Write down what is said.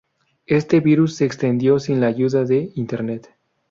Este virus se extendió sin la ayuda de Internet.